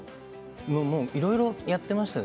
いろいろやっていました。